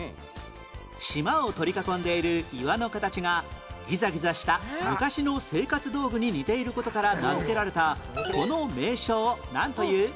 島を取り囲んでいる岩の形がギザギザした昔の生活道具に似ている事から名付けられたこの名称をなんという？